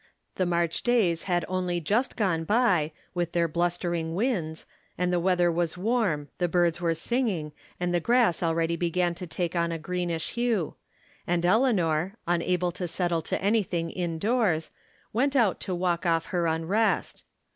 The March days had only just gone hj, with their blustering winds, and the weather was warm, the birds were singing, and the grass already began to take on a greenish hue ; and Eleanor, unable to settle to anything in doors, went out to walk off her unrest.